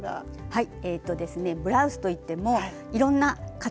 はい。